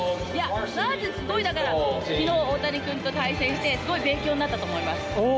いや、だからきのう大谷君と対戦して、すごい勉強になったと思います。